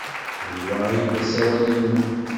D wa ay d asawal-nnem?